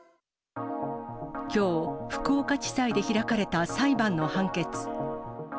きょう、福岡地裁で開かれた裁判の判決。